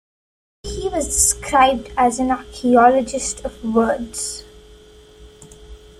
He was described as an "archeologist of words".